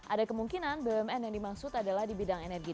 ada kemungkinan bumn yang dimaksud adalah di bidang energi